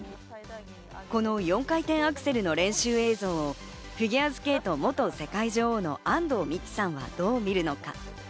この４回転アクセルの練習映像をフィギュアスケート元世界女王の安藤美姫さんはどう見るのか。